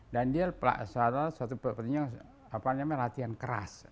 dan dia salah satu petinju apa namanya latihan keras